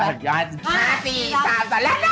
ก็จริงก็ปล่อยอย่างเงี้ย